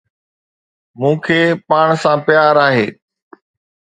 مون کي پاڻ سان پيار آهي